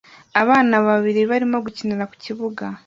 Abana babiri barimo gukinira ku kibuga